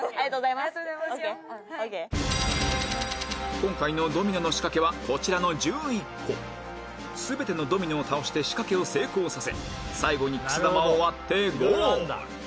今回のドミノの仕掛けはこちらのすべてのドミノを倒して仕掛けを成功させ最後にクス玉を割ってゴール！